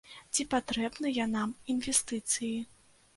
Ці патрэбныя нам інвестыцыі?